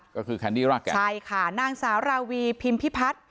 ก็คือแคนดี้รากแก่ใช่ค่ะนางสาวราวีพิมพิพัฒน์